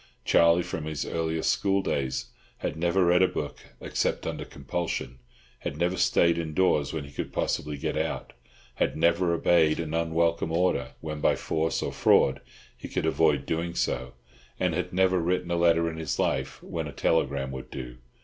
Charlie, from his earliest school days, had never read a book except under compulsion, had never stayed indoors when he could possibly get out, had never obeyed an unwelcome order when by force or fraud he could avoid doing so, and had never written a letter in his life when a telegram would do.